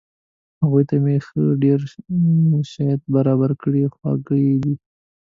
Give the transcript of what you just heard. هغوی ته مې ښه ډېر شیان برابر کړي، خواږه یې دي.